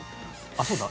あ、そうだ。